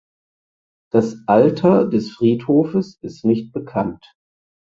Das Alter des Friedhofes ist nicht bekannt.